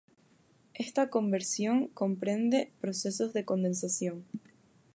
Esta conversión comprende procesos de condensación.